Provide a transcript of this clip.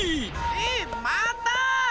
えっまた⁉